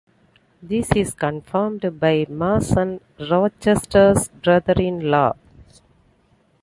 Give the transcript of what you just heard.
This is confirmed by Mason, Rochester's brother-in-law.